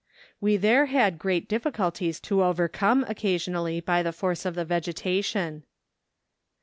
We there had great diffi¬ culties to overcome, occasionally by the force of the vegetation.